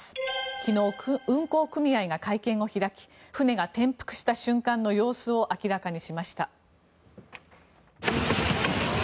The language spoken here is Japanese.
昨日、運航組合が会見を開き船が転覆した瞬間の様子を明らかにしました。